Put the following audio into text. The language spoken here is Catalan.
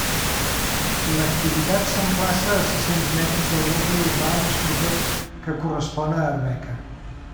L'activitat s'emplaça a sis-cents metres del nucli urbà més proper, que correspon a Arbeca.